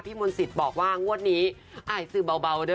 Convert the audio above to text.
พี่มนศิษย์บอกว่างวทนี้อ่ายสือเบาเด้อ